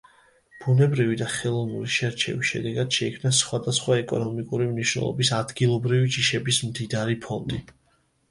ბუნებრივი და ხელოვნური შერჩევის შედეგად შეიქმნა სხვადასხვა ეკონომიკური მნიშვნელობის ადგილობრივი ჯიშების მდიდარი ფონდი.